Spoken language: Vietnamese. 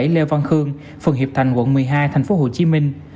sáu mươi bảy lê văn khương phần hiệp thành quận một mươi hai thành phố hồ chí minh